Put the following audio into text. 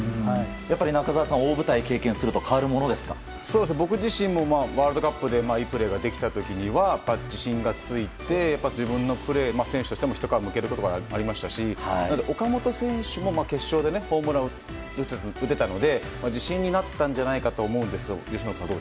やっぱり、中澤さん大舞台を経験すると僕自身も、ワールドカップでいいプレーができた時には自信がついて自分のプレー、選手としてもひと皮むけることができましたしなので、岡本選手も決勝でホームランを打てたので自身になったんじゃないかなと思うんですよ。